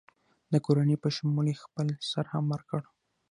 د کورنۍ په شمول یې خپل سر هم ورکړ.